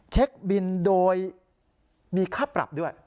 เช็คบินโดยมีค่าปรับด้วย